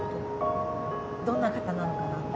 どんな方なのかな。